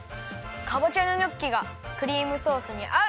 かぼちゃのニョッキがクリームソースにあう！